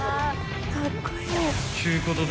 ［っちゅうことで］